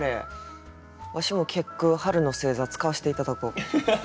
わしも結句「春の星座」使わせて頂こう。